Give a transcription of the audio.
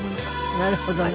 なるほどね。